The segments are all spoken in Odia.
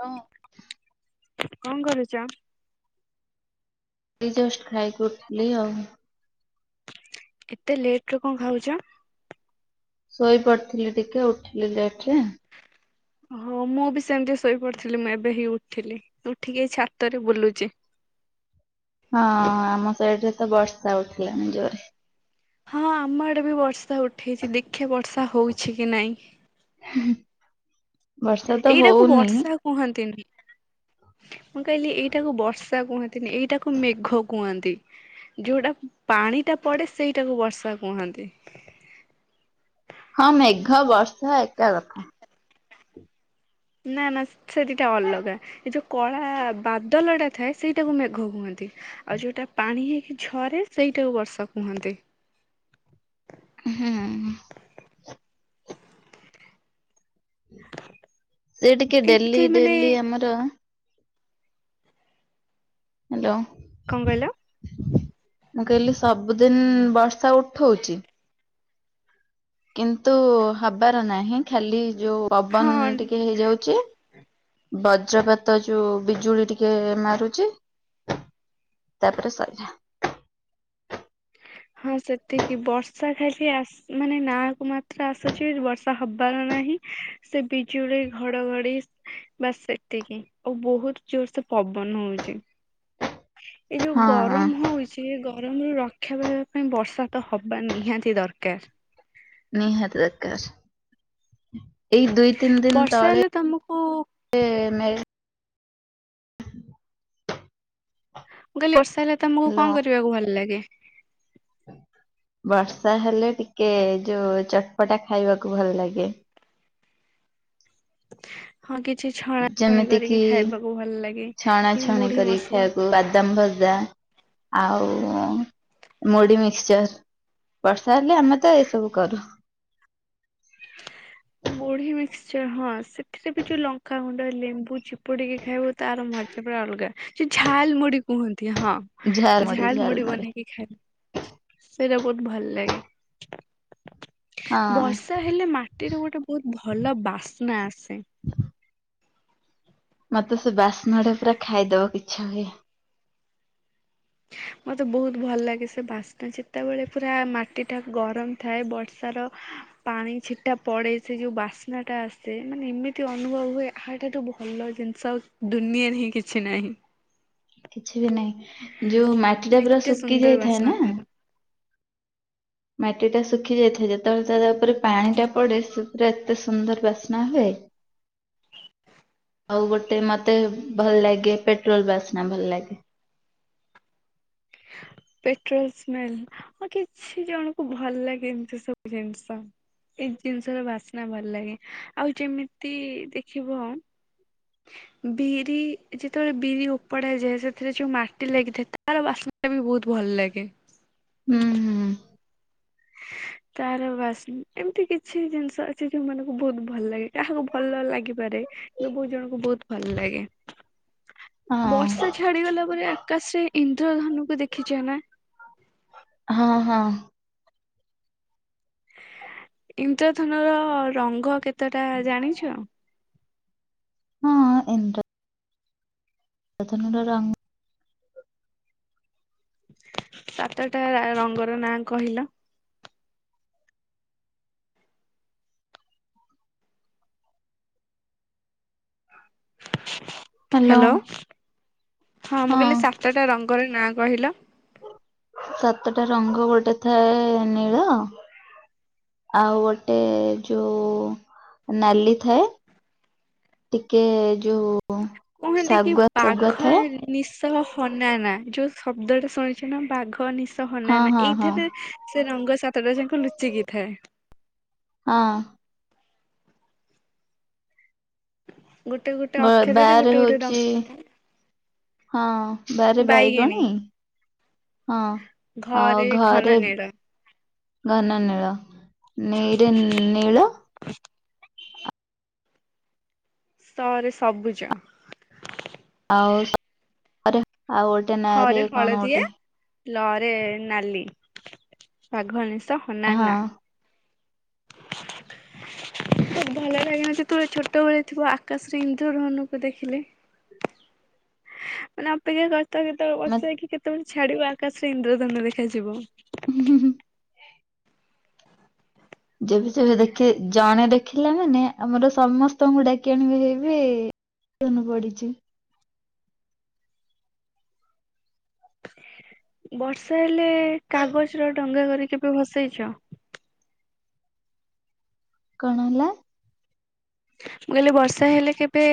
ହାଲୋ କଣ କରୁଛ? ଏଇ ଜଷ୍ଟ ଖାଇକି ଉଠିଲି ଆଉ। ଏତେ ଲେଟରେ କଣ ଖାଉଛ। ଶୋଇ ପଡିଥିଲି ଟିକେ ଉଠିଲି ଲେଟରେ। ହଁ ମୁଁ ବି ସେମିତି ଶୋଇପଡିଥିଲି ମୁଁ ଏବେ ହିଁ ଉଠଥିଲି ଉଠିକି ଏ ଛାତରେ ବୁଲୁଛି। ହଁ ଆମ ସାଇଡ ରେ ତ ବର୍ଷା ଉଠେଇଲାଣି ଜୋରେ ହଁ ଆମ ଆଡେ ବି ବର୍ଷା ଉଠେଇଛି ଦେଖେ ବର୍ଷା ହଉଛି କି ନାଇଁ। [unintelligible] ବର୍ଷା ତ ଏଇଟାକୁ ହଉନି ବର୍ଷା କୁହନ୍ତିନି। ମୁଁ କହିଲି ଏଇଟାକୁ ବର୍ଷା କୁହନ୍ତିନି ଏଇଟାକୁ ମେଘ କୁହନ୍ତି। ଯୋଉଟା ପାଣି ଟା ପଡେ ସେଇଟାକୁ ବର୍ଷା କୁହନ୍ତି। ହଁ ମେଘ ବର୍ଷ ଏକା କଥା। ନାଁ ନାଁ ସେଠିଟା ଅଲଗା ଏ ଯୋଉ କଳା ବାଦଲ ଟା ଥାଏ ସେଇଟାକୁ ମେଘ କୁହନ୍ତି। ଆଉ ଯୋଉଟା ପାଣି ହେଇକି ଝରେ ସେଇଟାକୁ ବର୍ଷା କୁହନ୍ତି। ହୁଁ। ସେ ଟିକେ ଏମିତି ଡେଲି ମାନେ ଡେଲି ଆମର ହ୍ୟାଲୋ କଣ କହିଲ? ମୁଁ କହିଲି ସବୁଦିନ ବର୍ଷା ଉଠଉଚି କିନ୍ତୁ ହବାର ନାହିଁ ଖାଲି ଯୋଉ ଓଭନ ହଁ ଟିକେ ହେଇଯାଉଛି। ବଜ୍ରପାତ ଯୋଉ ବିଜୁଳି ଟିକେ ମାରୁଛି। ତାପରେ ସରିଲା। ହଁ ସେତିକି ବର୍ଷା ଖାଲି ଆସ ମାନେ ନାକୁ ମାତ୍ର ଆସୁଛି ବର୍ଷା ହବାର ନାହିଁ ସେ ବିଜୁଳି ଘଡଘଡି ବାସ ସେତିକି ଆଉ ବହୁତ ଜୋର ସେ ପବନ ହଉଛି। ଏଇ ଯୋଉ ହଁ ଗରମ ହଉ ଚି ଗରମ ରୁ ରକ୍ଷା ପାଇବା ପାଇଁ ବର୍ଷା ତ ହବା ନିହାତି ଦରକାର। ନିହାତି ଦରକାର ଏଇ ଦୁଇ ତିନି ଦିନ ବର୍ଷା ତଳେ ହେଲେ ତମକୁ ସେମ ମୁଁ କହିଲି ବର୍ଷା ହେଲେ ତମକୁ କଣ କରିବାକୁ ଭଲ ଲାଗେ? ବର୍ଷା ହେଲେ ଟିକେ ଯୋଉ ଚଟପଟା ଖାଇବାକୁ ଭଲ ଲାଗେ। ହଁ କିଛି ଛଣା ଛଣି ଯେମିତି କରିକି କିି ଖାଇବାକୁ ଭଲ ଲାଗେ ଛଣା କି ଛଣି ମୁଢି କରିକି ମସଲା। ଖାଇବାକୁ ବାଦାମ ଭଜା ଆଉ ମୁଢି ମିକ୍ସଚର୍। ବର୍ଷା ହେଲେ ଆମେ ତ ଏଇସବୁ କରୁ। ମୁଢ଼ି ମିକ୍ସଚର ହଁ ସେଥିରେ ବି ଯୋଉ ଲଙ୍କାଗୁଣ୍ଡ ଲେମ୍ବୁ ଚିପୁଡିକି ଖାଇବୁ ତାର ମ ସେ ପୁରା ଅଲଗା ସେ ଝାଲମୁଢ଼ି କୁହନ୍ତି ହଁ ଝାଲ ମୁଢି ଝାଲ ଝାଲମୁଢ଼ି ମୁଢି ବନେଇ କି ଖା ସେଇଟା ବହୁତ ଭଲ ଲାଗେ ହଁ ବର୍ଷା ହେଲେ ମାଟିରେ ଗୋଟେ ବହୁତ ଭଲ ବାସ୍ନା ଆସେ। ମତେ ସେ ବାସ୍ନା ଟା ପୁରା ଖାଇଦବାକୁ ଇଚ୍ଛା ହୁଏ। ମତେ ବହୁତ ଭଲ ଲାଗେ ସେ ବାସ୍ନା ଯେତେବେଳେ ପୁରା ମାଟି ଟା ଗରମ। ଥାଏ ବର୍ଷାର ପାଣି ଛିଟା ପଡେ ସେ ଯୋଉ ବାସ୍ନାଟା ଆସେ ମାନେ ଏମିତି ଅନୁଭବ ହୁଏ ୟା ଠାରୁ ଭଲ ଜିନିଷ ଆଉ ଦୁନିଆରେ ହିଁ କିଛି ନାହିଁ। କିଛି ବି ନାହିଁ ଯୋଉ ମାଟିଟା ମାନେ ପୁରା ଏତେ ଶୁକି ସୁନ୍ଦର ଯାଇଥାଏ ବାସ୍ନା ନା। ତାର ମାଟି ଟା ଶୁଖି ଯାଇଥାଏ ଯେତେବେଳେ ତ୍ ତା ଉପରେ ପାଣି ଟା ପଡେ ସେ ପୁରା ଏତେ ସୁନ୍ଦର ବାସ୍ନା ହୁଏ। ଆଉ ଗୋଟେ ମତେ ଭଲ ଲାଗେ ପେଟ୍ରୋଲ ବାସ୍ନା ଭଲ ଲାଗେ। Petrol smell! ହଁ କିଛି ଜଣକୁ ଭଲ ଲାଗେ ଏମିତି ସବୁ ଜିନିଷ। ଏଇ ଜିନିଷର ବାସ୍ନା ଭଲ ଲାଗେ ଆଉ ଯେମିତି ଦେଖିବ ବିରି ଯେତେବେଳେ ବିରି ଉପଡ଼ା ହେଇଯାଏ ସେଥିରେ ଯୋଉ ମାଟି ଲାଗିଥାଏ ତାର ବାସ ନା ବି ବହୁତ ଭଲ ଲାଗେ। ହୁଁ। ହୁଁ। ତାର ବାସ ଏମିତି କିଛି ଜିନିଷ ଅଛି ଯୋଉ ମାନଙ୍କୁ ବହୁତ ଭଲ ଲାଗେ କାହାକୁ ଭଲ ନ ଲାଗିପାରେ କିନ୍ତୁ ବହୁତ୍ ଜଣଙ୍କୁ ବହୁତ ଭଲ ଲାଗେ। ହଁ ବର୍ଷା ଛାଡିଗଲା ପରେ ଆକାଶରେ ଇନ୍ଦ୍ରଧନୁକୁ ଦେଖିଛ ନା? ହଁ ହଁ। ଇନ୍ଦ୍ରଧନୁ ର ରଙ୍ଗ କେତେଟା ଜାଣିଛ? ହଁ ଇନ୍ଦ୍ର ନ୍ଦ୍ରଧନୁ ର ରଂଗ ସାତଟା ରା ରଙ୍ଗର ନାଁ କହିଲ? ହ୍ୟାଲୋ। ହାଲୋ ହଁ ମୁଁ କହିଲି ସାତଟ ଟା ରଙ୍ଗର ନାଁ କହିଲ? ସାତଟା ରଙ୍ଗ ଗୋଟେ ଥାଏ ନୀଳ ଆଉ ଗୋଟେ ଯୋଉ ନାଲି ଥାଏ। ଟିକେ ଯୋଉ କୁହନ୍ତି କି ଶାଗୁଆ ଶାଗୁଆ ବାଘ ଥାଏ ନି ନିଶ ହନାନା ଯୋଉ ଶବ୍ଦ ଟା ଶୁଣିଛ ନା ବାଘ ନିଶ ହଁ ହନାନା ହଁ ହଁ ଏଇଥିରେ ସେ ରଙ୍ଗ ସାତଟା ଯାଙ୍କ ଲୁଚିକି ଥାଏ। ହଁ। ଗୋଟେ ଗୋଟେ ଅକ୍ଷରରେ ବାରେ ଗୋଟେ ଗୋଟେ ହଉଛି ରଙ୍ଗ ନା! ହଁ ବାରେ ବାଇଗିଣୀ ବାଇଗଣୀ, ହଁ ଆଉ ଘନ ଘରେ ନୀଳ ଘନ ନୀଳ ନି ରେ ନୀଳ ସ ରେ ସବୁଜ ଆଉ [unintelligible] ରେ ଆଉ ଗୋଟେ ନାଁ ରେ କଣ ଗୋଟେ ଲରେ ନାଲି ବାଘନିଶ ହଁ ହନାନା ବହୁତ ଭଲ ଲାଗନା ଯେତେବେଳେ ଛୋଟବେଳେ ଥିବ ଆକାଶରେ ଇନ୍ଦଧନକୁ ଦେଖିଲେ? ମାନେ ଅପେକ୍ଷା କରିଥାଉ କେତେବେଳେ ଆମେ ବର୍ଷା ହେଇକି କେତେବେଳେ ଛାଡ଼ିବ ଆକାଶରେ ଇନ୍ଦ୍ରଧନ ଦେଖାଯିବ। ହୁଁ ହୁଁ ହୁଁ। ଯେବେ ଯେବେ ଦେଖି ଜଣେ ଦେଖିଲା ମାନେ ଆମର ସମସ୍ତଙ୍କୁ ଡାକି ଆଣିବେ ହେଇବେ ଧନୁ ପଡ଼ିଛି। ବର୍ଷା ହେଲେ କାଗଜର ଡଙ୍ଗା କରି କେବେ ଭସେଇଛ? କଣ ହେଲା? ମୁଁ କହିଲି ବର୍ଷା ହେଲେ କେବେ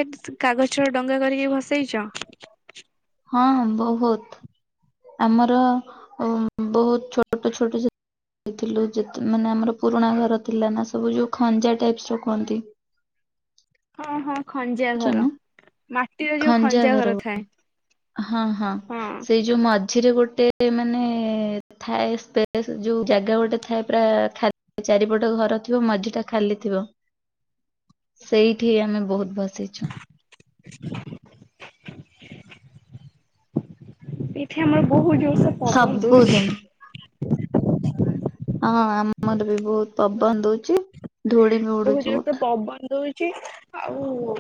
କାଗଜର ଡଙ୍ଗା କରିକି ଭସେଇଚ? ହଁ ହଁ ବହୁତ ଆମର ଉଁ ବହୁତ ଛୋଟ ଛୋଟ ହେଇଥିଲୁ ଯେତ୍ ମାନେ ଆମର ପୁରୁଣା ଘର ଥିଲା ନା ସବୁ ଯୋଉ ଖଞ୍ଜା ଟାଇପସ ର କୁହନ୍ତି ହଁ ହଁ ଖଞ୍ଜା ଜାଣିଛ ଘର, ନା ମାଟିର ଯୋଉ ଖଞ୍ଜା ଘର ଥାଏ। ହଁ ହଁ ସେଇ ଯୋଉ ମଝିରେ ଗୋଟେ ମାନେ ଥାଏ ସ୍ପେସ ଯୋଉ ଜାଗା ଗୋଟେ ଥାଏ ପୁରା ଖାଲି ଚାରିପଟ ଘର ଥିବ ମଝିଟା ଖାଲି ଥିବ। ହଁ ସେଇଠି ଆମେ ବହୁତୁ ବସିଛୁ। ଏଠି ଆମର ବହୁତ ଜୋରସ ପବନ ଦଉଛି। ସବୁଦିନ ହଁ ଆମର ବି ବହୁତ ପବନ ଦଉଛି ଧୂଳି ବି ବହୁତ ଉଡୁଛି ଜୋରସେ ବହୁତୁ। ପବନ ଦଉ ଚି ଆଉ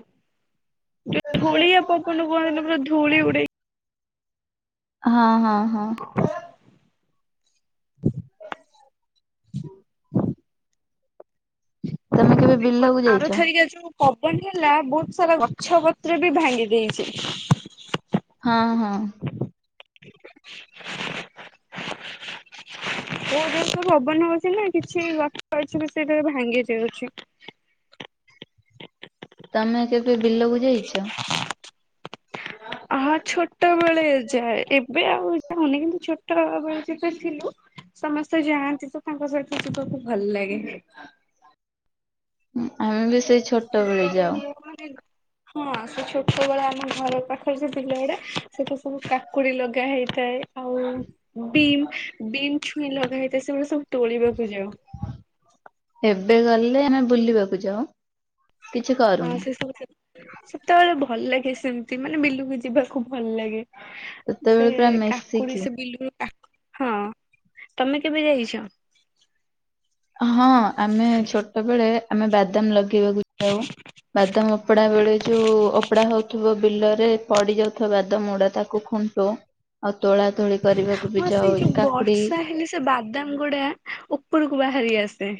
ଯଉ ଧୂଳି ପବନ କୁହନ୍ତିିନ ପୁରା ଧୂଳି ଉଡେଇ ହଁ ହଁ ହଁ। ହ ହ ତମେ କେବେ ବିଲକୁ ଯାଇଛ? ଆରଥରିକା ଯୋଉ ପବନ ହେଲା ବହୁତ ସାରା ଗଛ ପତ୍ର ବି ଭାଙ୍ଗି ଦେଇଛି। ହଁ ହଁ। ବହୁତ୍ ଜୋର୍ ସେ ପବନ ହଉଛି ନା କିଛି ଗଛ ଅଛି ବି ସେ ଭାଙ୍ଗି ଯାଉଛି। ତମେ କେବେ ବିଲକୁ ଯାଇଛ? ହ ଛୋଟ ବେଳେ ଯାଏ। ଏବେ ଆଉ ଯହୁନି କିନ୍ତୁ ଛୋଟ ବେଳେ ଯେବେ ଥିଲୁ ସମସ୍ତେ ଯାଆନ୍ତି ତ ତାଙ୍କ ସହିତ ଯିବାକୁ ଭଲ ଲାଗେ। ଆମେ ବି ସେଇ ଛୋଟ ବେଳେ ବିଲରେ ଯାଉ। ଆମର ମାନେ ହଁ ସେ ଛୋଟ ବଳେ ଆମ ଘର ପାଖରେ ସେ ବିଲ ଗୁଡା ସେ ତ ସବୁ କାକୁଡି ଲଗା ହେଇଥାଏ। ଆଉ ବିମ୍ ବିମ୍ ଛୁଇଁ ଲଗା ହେଇଥାଏ। ସେଗୁଡ଼ାକ ସବୁ ତୋଳିବାକୁ ଯାଉ। ଏବେ ଗଲେ ଆମେ ବୁଲିବାକୁ ଯାଉ। କିଛି ହଁ କରୁନା ସେ ସବୁ ସେ ସେତେବେଳେ ଭଲ ଲାଗେ ସେମତି ମାନେ ବିଲୁକୁ ଯିବାକୁ ଭଲ ଲାଗେ। ସେତେବେଳେ ସେ ପୁରା କାକୁଡି ମିଶିକି ସେ ବିଲୁରୁ କା ହଁ ତମେ କେବେ ଯାଇଛ? ହଁ ଆମେ ଛୋଟବେଳେ ଆମେ ବାଦାମ ଲଗେଇ କିବାକୁ ଯାଉ ବାଦାମ ଓପଡା ବେଳେ ଯୋଉ ଓପଡା ହଉଥିବ ବିଲରେ ପଡି ଯାଉଥିବା ବାଦାମ ଗୁଡା ତାକୁ ଖୁଣ୍ଟୁ ଆଉ ତୋଳା ତୋଳି କରିବାକୁ ବି ହଁ ସେଇ ଯାଉ ଯୋଉ କାକୁଡ଼ି ବର୍ଷା ହେଲେ ସେ ବାଦାମ ଗୁଡା ଉପରକୁ ବାହାରି ଆସେ।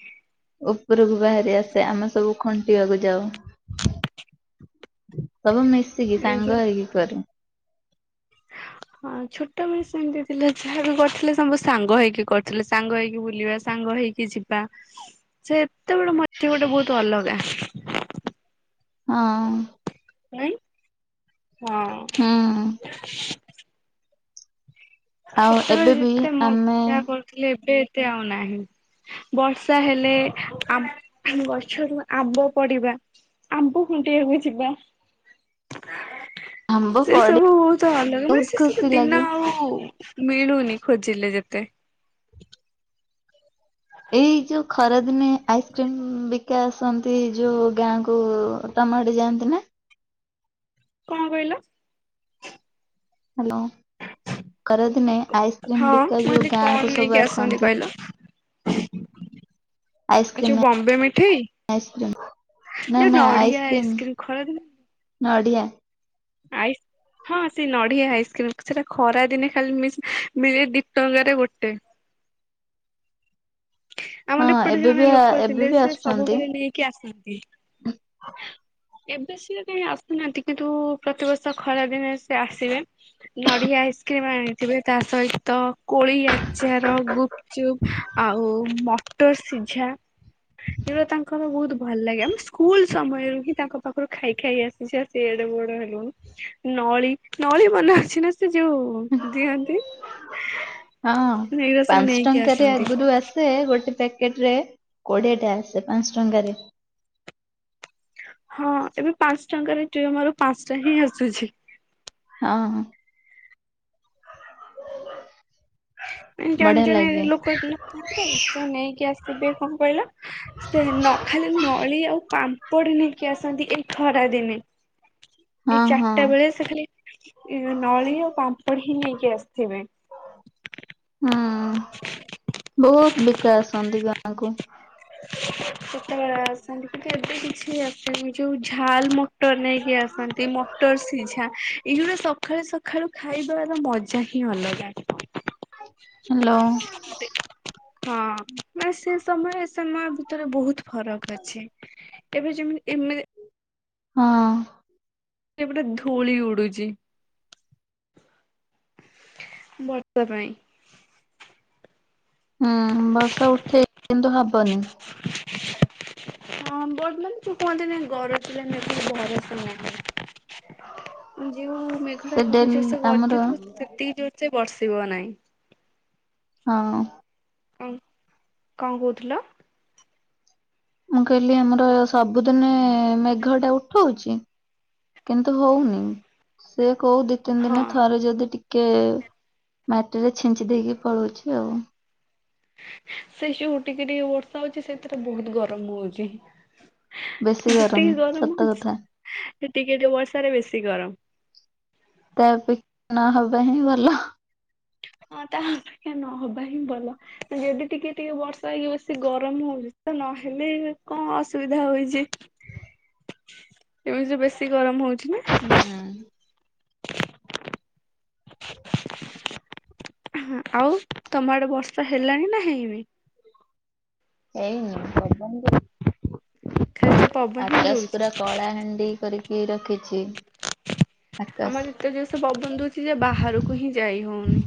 ଉପରକୁ ବାହାରି ଆସେ ଆମେ ସବୁ ଖଣ୍ଟିବାକୁ ଯାଉ। ସବୁ ମିଶିକି ଏଇ ଯୋଉ ସାଙ୍ଗ ହେଇିକି କରୁ। ହଁ। ହଁ ଛୋଟବେଳେ ସେମିତି ଥିଲା ଯାହାବି କରୁଥିଲେ ସବୁ ସାଙ୍ଗ ହେଇକି କରିଥିଲେ ସାଙ୍ଗ ହେଇକି ବୁଲିବା ସାଙ୍ଗ ହେଇ କି ଯିବା ସେତ ବେଳ ମଜା ଗୋଟେ ବହୁତ ଅଲଗା। ହଁ। କାଇଁ ହଁ। ହୁଁ ଆଉ ଏବେ ସେତେବେଳେ ବି ଯେତେ ଆମେ ମଜା କରୁଥିଲେ ଏବେ ଏତେ ଆଉ ନାହିଁ। ବର୍ଷା ହେଲେ ଆମ ଗଛରୁ ଆମ୍ବ ପଡିବା। ଆମ୍ବୁ ଖୁଣ୍ଟିବାକୁ ଯିବା। ଆମ୍ବ ସେ ପଡି ସବୁ ତ ଅଲଗା ମାନେ ବହୁତ ସେ ସବୁ ଖୁସି ଦିନ ଲାଗେ। ଆଉ ମିଳୁନି ଖୋଜିଲେ ଯେତେ ଏଇ ଯୁ ଖରାଦିନେ ଆଇସ୍କ୍ରିମ୍ ବିକା ଆସନ୍ତି ଯୋଉ ଗାଁକୁ ତମ ଆଡ଼େ ଯାଆନ୍ତି ନା। କଣ କହିଲ? ହ୍ୟାଲୋ ଖରାଦିନେ ହଁ ଆଇସ୍କ୍ରିମ ମୁଁ ବିକା ଯୁ କହିଲି କଣ ଗାଁ କୁ ନେଇକି ସବୁ ଆସନ୍ତି। କହିଲ? ଏ ଯୁ ଆଇସ୍କ୍ରିମ ବମ୍ବେ ମିଠେଇ। ଆଇସ୍କ୍ରିମ ନା ଯୁ ନଢିଆ ଆଇସ୍କ୍ରିମ ଖଳାଦିନେ ନଡ଼ିଆ। ଆଇ ହଁ ସେ ନଡିଆ ଆଇସ୍କ୍ରିମ୍ ସେଟା ଖରା ଦିନେ ଖାଲି ମିସ୍ -ମିଳେ ଦି ଟଙ୍କାରେ ଗୋଟେ। ହଁ ଆମର ଏପଟେ ଏବେ ଜଣେ ବି ଲୋକ ଏବେ ଥିଲେ ବି ସେ ଆସୁଛନ୍ତି ସବୁବେଳେ ନେଇକି ଆସନ୍ତି। ଏବେ ସିଏ କାଇଁ ଆସୁନାହାନ୍ତି କିନ୍ତୁ ପ୍ରତିବର୍ଷ ଖରା ଦିନେ ସିଏ ଆସିବେ। ନଡିଆ ଆଇସ୍କ୍ରିମ୍ ଆଣିଥିବେ ତା ସହିତ କୋଳି ଆଚାର, ଗୁପଚୁପ୍ ଆଉ ମଟର ସିଝା। ଏବେ ତାଙ୍କ ଆମ ବହୁତ୍ ଭଲ ଲାଗେ ଆମେ ସ୍କୁଲ ସମୟରୁ ହିଁ ତାଙ୍କ ପାଖରୁ ଖାଇ ଖାଇ ଆସ୍ ଆସି ଏଡେ ବଡ ହେଲୁଣୁ ନଳି- ନଳି ବନା ହଉଚି ନା ସେ ଯଉ ଦିଅନ୍ତି ହଁ ଏଇରା ସବୁ ନେଇକି ଆସନ୍ତି। ସେ ଗୋଟେ ପ୍ୟାକେଟ୍ ରେ କୋଡିଏ ଟା ଆସେ ପାଞ୍ଚ୍ ଟଙ୍କାରେ ହଁ ଏବେ ପାଞ୍ଚ ଟଙ୍କାରେ [unintelligible] ପାଞ୍ଚ୍ ଟା ହିଁ ଆସୁଚି। ହଁ। ଏମତି ବଢିଆ [unintelligible] ଲାଗେ ଲୋକ ଲୋକଥାନ୍ତି ସେ ନେଇକି ଆସିବେ କଣ୍ କହିଲ ସେ ନ- ଖାଲି ନଳି ଆଉ ପାମ୍ପଡି ନେଇକି ଆସନ୍ତି ଏଇ ଖରା ଦିନେ। ଏଇ ହଁ ହଁ ଚାରିଟା ବେଳେ ସେ ଖାଲି ନଳି ଓ ପାମ୍ପଡି ହିଁ ନେଇକି ଆସିଥିବେ। ହୁଁ ବହୁତ୍ ବିକା ଆସନ୍ତି ଗାଁ କୁ ସେତେବେଳେ ଆସନ୍ତି କିନ୍ତୁ ଏବେ କିଛି ଆସେନି ଯଉ ଝାଲ୍ ମୁ ମଟର୍ ନେଇକି ଆସନ୍ତି ମଟର୍ ସି ସିଝା ଏଇଗୁଡା ସଖାଳୁ ସଖାଳୁ ଖାଇବାର ମଜା ହିଁ ଅଲଗା। ହାଲୋ। ହଁ ବା ସେ ସମୟ ଏସମୟ ଭିତରେ ବହୁତ୍ ଫରକ୍ ଅଛି ଏବେ ଯେମିତି ଏମେ ହଁ। ସେଇପଟେ ଧୂଳି ଉଡୁଚି। ବର୍ଷା ପାଇଁ। ହୁଁ ବର୍ଷା ଉଠେଇଚି କିନ୍ତୁ ହବନି। [inaudible] ହଁ ବର୍ତ୍ତମାନ୍ କୁହନ୍ତି ନି ଗରଜିଲା ମେଘ ବରଷେ ନାହିଁ। ମାନେ ଯେଉ ମେଘ ସେ ଟା ବହୁତ୍ ଡେଲି ଜୋର୍ ସେ ଆମର ଗର୍ଜୁଥିବ ସେତିକି ଜୋର୍ ସେ ବର୍ଷିବ ନାହିଁ। ହଁ। କଣ୍ କହୁଥିଲ? ମୁଁ କହିଲି ଆମର ସବୁଦିନେ ମେଘ ଟା ଉଠଉଚି କିନ୍ତୁ ହଉନି ସେ କଉ ଦି ଦି ତିନି ହଁ ଦିନରେ ଥରେ ଯଦି ଟିକେ ମାଟିରେ ଛିଞ୍ଚି ଦେଇକି ପଳଉଚି ଆଉ। ସେ ସଉ ଟିକେ ଟିକେ ବର୍ଷା ହଉଚି ସେଥିରେ ବହୁତ୍ ଗରମ୍ ହଉଚି। ବେଶୀ ଗରମ ଯେତିକି ଗରମ୍ ସତ ହଉଚି ସେ କଥା ଟିକେ ଟିକେ ବର୍ଷାରେ ବେଶୀ ଗରମ୍। ତା ଅପେ-ନ ହବା ହିଁ ଭଲ। ହଁ ତା ଅପେକ୍ଷା ନହବା ହିଁ ଭଲ। ଯଦି ଟିକେ ଟିକେ ବର୍ଷା ହେଇକି ବେଶି ଗରମ୍ ହଉଚି ତ ନହେଲେ କଣ ଅସୁବିଧା ହଉଚି। ଏମିତି ତ ବେଶୀ ଗରମ୍ ହଉଚି ନା। [inaudible] ଆଁ -ହ ଆଉ ତମ ଆଡେ ବର୍ଷା ହେଲାଣି ନା ହେଇନି? ହେଇନି [unintelligible] ଖାଲି ସେ ପବନ ହିଁ ଆକାଶ୍ ଦଉଛି। ପୁରା କଳାହାଣ୍ଡି କରି କି ରଖିଚି ଆକାଶ୍। ଆମର ଏତେ ଜୋର୍ ସେ ପବନ୍ ଦଉଚି ଯେ ବାହାରୁକୁ ହିଁ ଯାଇ ହଉନି।